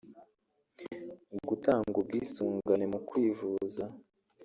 gutanga ubwisungane mu kwivuza